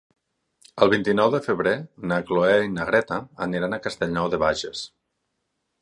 El vint-i-nou de febrer na Cloè i na Greta aniran a Castellnou de Bages.